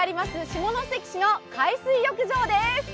下関市の海水浴場です。